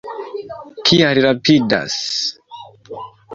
Kial rapidas?